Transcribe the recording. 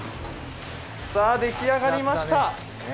さあ、できあがりました。